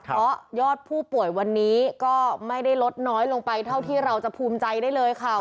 เพราะยอดผู้ป่วยวันนี้ก็ไม่ได้ลดน้อยลงไปเท่าที่เราจะภูมิใจได้เลยค่ะ